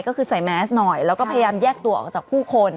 ก็คือใส่แมสหน่อยแล้วก็พยายามแยกตัวออกจากผู้คน